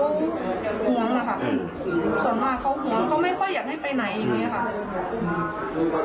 ห่วงอะค่ะส่วนมากเขาห่วงเขาไม่ค่อยอยากให้ไปไหนอย่างนี้ค่ะ